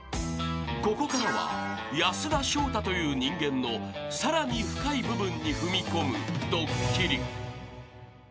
［ここからは安田章大という人間のさらに深い部分に踏み込むドッキリ］